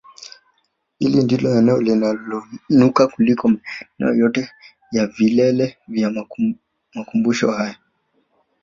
Hili ndilo eneo lililoinuka kuliko maeneo yote ya vilele vya makumbumsho haya